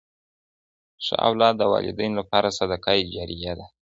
ښه اولاد د والدینو لپاره صدقه جاریه ده.